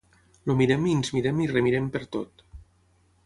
El mirem i ens mirem i remirem pertot.